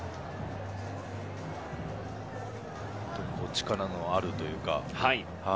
力のあるというか。